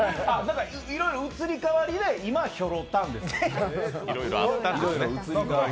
いろいろ移り変わりで今、ひょろたんです。